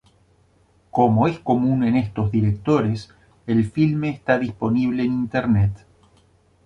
Como es común en estos directores, el filme está disponible en internet.